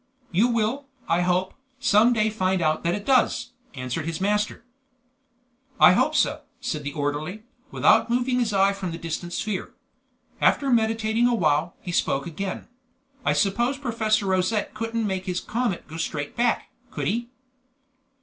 "You will, I hope, some day find out that it does," answered his master. "I hope so," said the orderly, without moving his eye from the distant sphere. After meditating a while, he spoke again. "I suppose Professor Rosette couldn't make his comet go straight back, could he?"